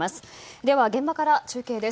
では、現場から中継です。